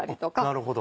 なるほど。